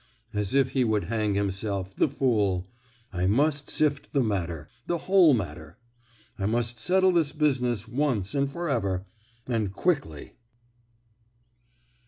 As if he would hang himself, the fool! I must sift the matter—the whole matter. I must settle this business once and for ever—and quickly!"